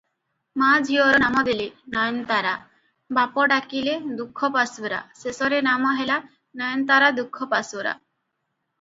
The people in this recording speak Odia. ମା ଝିଅର ନାମ ଦେଲେ, ନୟନତାରା- ବାପ ଡାକିଲେ ଦୁଃଖପାସୋରା- ଶେଷରେ ନାମ ହେଲା ନାୟନତାରା ଦୁଃଖପାସୋରା ।